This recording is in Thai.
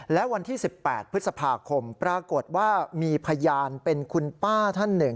และวันที่๑๘พฤษภาคมปรากฏว่ามีพยานเป็นคุณป้าท่านหนึ่ง